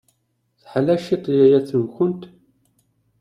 Teḥla cwiṭ yaya-tkent?